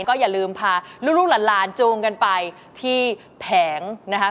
ก็อย่าลืมพาลูกหลานจูงกันไปที่แผงนะคะ